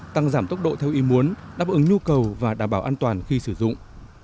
tăng giảm tốc độ theo ý muốn đáp ứng nhu cầu và đảm bảo an toàn khi sử dụng